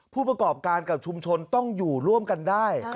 ผู้ประกอบการกับชุมชนต้องอยู่ร่วมกันได้